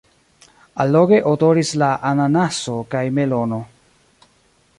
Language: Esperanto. Alloge odoris la ananaso kaj melono.